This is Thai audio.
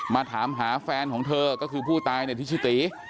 มาถามหาแฟนของเธอก็คือผู้ตายเนี่ยที่ชื่อตี